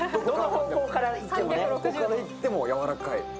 どこからいってもやわらかい。